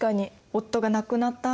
夫が亡くなった